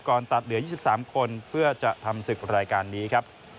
ตัดเหลือ๒๓คนเพื่อจะทำศึกรายการนี้ครับ